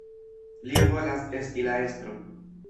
Li volas esti la estro.